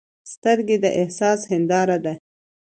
سترګې د احساس هنداره ده